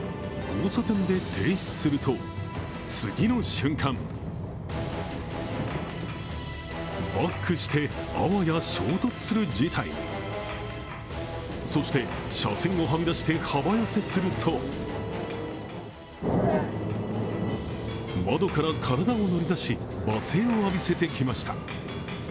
交差点で停止すると、次の瞬間バックして、あわや衝突する事態にそして車線をはみ出して幅寄せすると窓から体を乗り出し、罵声を浴びせてきました。